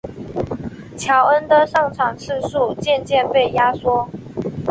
乔恩的上场次数渐渐被压缩。